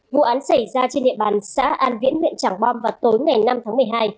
vụ án xảy ra trên địa bàn xã an viễn huyện tràng bom vào tối ngày năm tháng một mươi hai